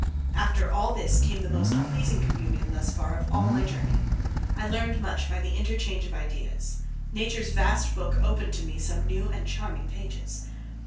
After all this came the most pleasing communion thus far of all my journey. I learned much by the interchange of ideas. Nature's vast book opened to me some new and charming pages.